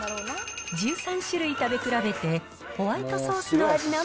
１３種類食べ比べて、ホワイトソースの味